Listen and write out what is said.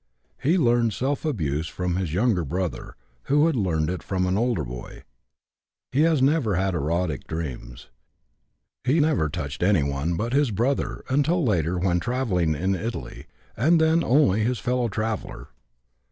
He learned self abuse from his younger brother, who had learned it from an older boy. He has never had erotic dreams. He never touched anyone but his brother until later when travelling in Italy, and then only his fellow traveller.